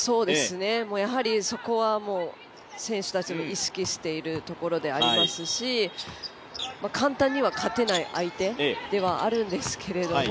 やはり、そこは選手たちも意識しているところでありますし簡単には勝てない相手ではあるんですけれども。